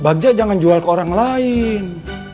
bagja jangan jual ke orang lain